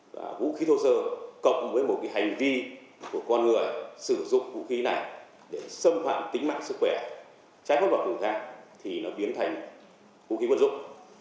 vũ khí thô sơ cộng với một hành vi của con người sử dụng vũ khí này để xâm phạm tính mạng sức khỏe trái pháp luật của người ta thì nó biến thành vũ khí quân dụng